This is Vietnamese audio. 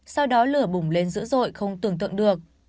sau đó lửa bùng lên dữ dội không tưởng tượng được